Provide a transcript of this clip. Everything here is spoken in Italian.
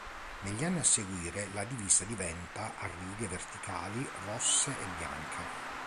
Negli anni a seguire la divisa diventa a righe verticali rosse e bianche.